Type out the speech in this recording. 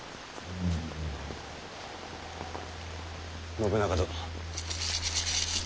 信長殿。